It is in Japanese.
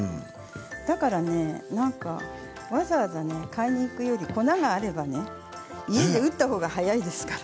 だから、わざわざ買いに行くより粉があればね家で打った方が早いですから。